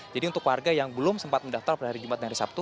jadi untuk warga yang belum sempat mendaftar pada hari jumat dan hari sabtu